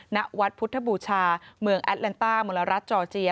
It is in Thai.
ณวัดพุทธบูชาเมืองแอดแลนต้ามลรัฐจอร์เจีย